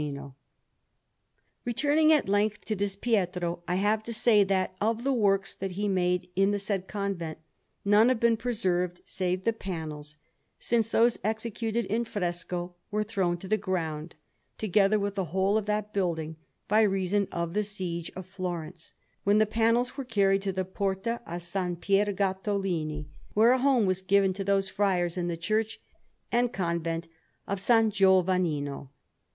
Florence: Pitti, 164_) Anderson] Returning at length to this Pietro, I have to say that of the works that he made in the said convent none have been preserved save the panels, since those executed in fresco were thrown to the ground, together with the whole of that building, by reason of the siege of Florence, when the panels were carried to the Porta a S. Pier Gattolini, where a home was given to those friars in the Church and Convent of S. Giovannino.